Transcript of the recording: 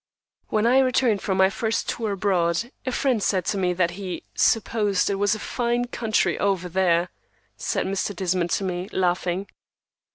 "When I returned from my first tour abroad, a friend said to me that he 'supposed it was a fine country over there,'" said Mr. Desmond to me, laughing.